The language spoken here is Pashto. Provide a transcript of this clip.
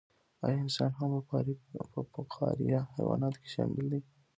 ایا انسان هم په فقاریه حیواناتو کې شامل دی